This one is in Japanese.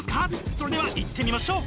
それではいってみましょう！